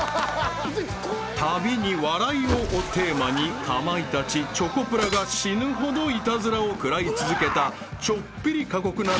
［「旅に笑いを」をテーマにかまいたちチョコプラが死ぬほどイタズラを食らい続けたちょっぴり過酷な旅番組。